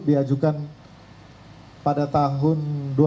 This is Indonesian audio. diajukan pada tahun dua ribu dua puluh tiga